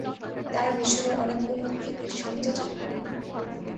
তারা মিশনের অনেক উন্নতি ও সংযোজন করেন।